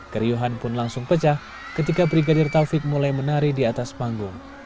keriuhan pun langsung pecah ketika brigadir taufik mulai menari di atas panggung